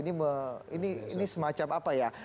ini semacam apa ya